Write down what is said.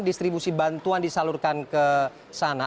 distribusi bantuan disalurkan ke sana